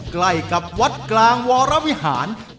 ใกล้กับวัดกลางวรวิหาร